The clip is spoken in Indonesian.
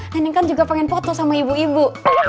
neneng kan juga pengen foto sama ibu ibu